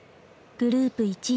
グループ１位